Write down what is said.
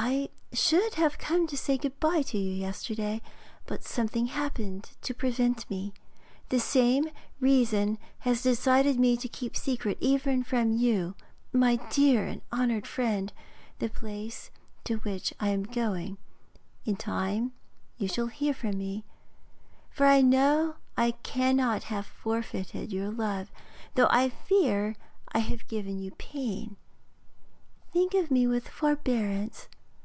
I should have come to say good bye to you yesterday, but something happened to prevent me. The same reason has decided me to keep secret even from you, my dear and honoured friend, the place to which I am going; in time you shall hear from me, for I know I cannot have forfeited your love, though I fear I have given you pain. Think of me with forbearance.